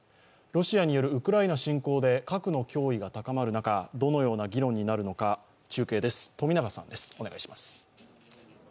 ロシアによるウクライナ侵攻で核の脅威が高まる中、どのような議論になるのか中継です。